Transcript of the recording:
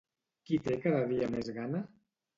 Qui té cada dia més gana?